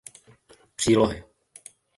Přílohy